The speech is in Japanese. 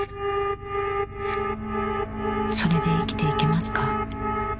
それで生きていけますか？